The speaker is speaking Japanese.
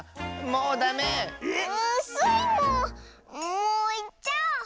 もういっちゃおう！